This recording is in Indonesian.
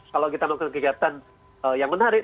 kalau kita melakukan kegiatan yang menarik